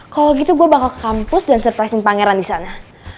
kalo gitu gue bakal ke kampus dan surprise in pangeran disana